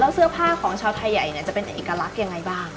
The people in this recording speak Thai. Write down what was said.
เสื้อผ้าของชาวไทยใหญ่จะเป็นเอกลักษณ์ยังไงบ้าง